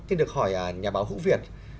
xin được hỏi nhà báo hữu việt